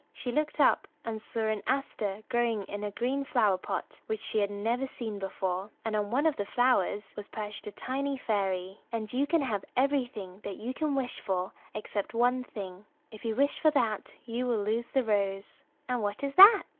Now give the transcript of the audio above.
She looked up and saw an aster growing in a green flower pot which she had never seen before; and on one of the flowers was perched a tiny fairy. "And you can have everything you can wish for except one thing. If you wish for that you will lose the rose." "And what is that?"